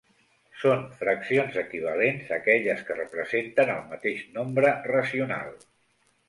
Són fraccions equivalents aquelles que representen el mateix nombre racional.